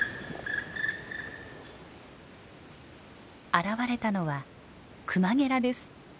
現れたのはクマゲラです。